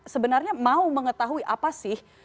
sebenarnya mau mengetahui apa sih